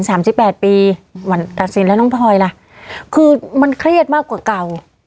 สามสิบแปดปีวันตัดสินแล้วน้องพลอยล่ะคือมันเครียดมากกว่าเก่า